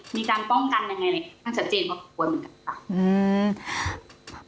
มีการป้องกันยังไงท่านชัดเจนพอสมควรเหมือนกันค่ะ